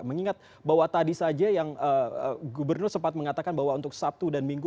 mengingat bahwa tadi saja yang gubernur sempat mengatakan bahwa untuk sabtu dan minggu